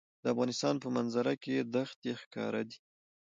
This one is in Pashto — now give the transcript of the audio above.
د افغانستان په منظره کې دښتې ښکاره دي.